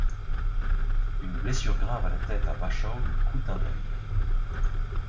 Une blessure grave à la tête à Wachau lui coûte un œil.